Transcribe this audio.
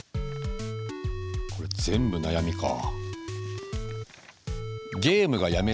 これ全部悩みかあ。